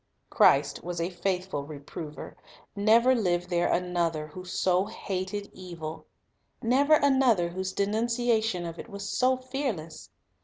Christ was a faithful reprover. Never lived there another who so hated evil ; never another whose denun ciation of it was so fearless.